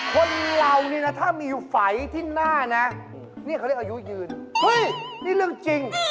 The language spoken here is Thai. แต่เขาบอกมาถ้าหูเป็นแบบนี้อายุยืน